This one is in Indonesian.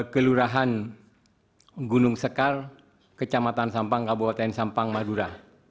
kelurahan gunung sekar kecamatan sampang kabupaten sampang madura